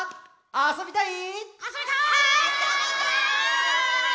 あそびたい！